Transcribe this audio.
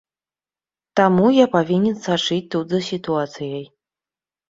Таму я павінен сачыць тут за сітуацыяй.